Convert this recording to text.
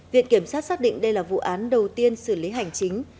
viện kiểm sát xác định đây là vụ án đầu tiên xử lý hành chính